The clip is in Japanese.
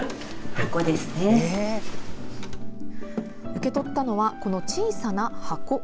受け取ったのは小さな箱。